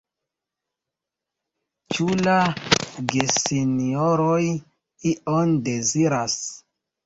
Ĉu la gesinjoroj ion deziras?